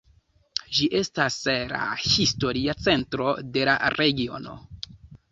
Ĝi estas la historia centro de la regiono.